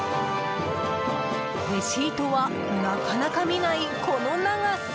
レシートは、なかなか見ないこの長さ！